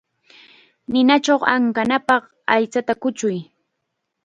Ninachaw ankanapaq aychata kuchuy.